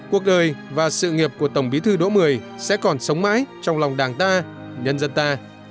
cuộc đời và sự nghiệp của tổng bí thư đỗ mười sẽ còn sống mãi trong lòng đảng ta nhân dân ta